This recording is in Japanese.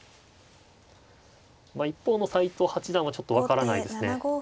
一方の斎藤八段はちょっと分からないですね。